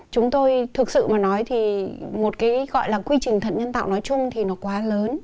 chúng tôi thực sự mà nói thì một cái gọi là quy trình thận nhân tạo nói chung thì nó quá lớn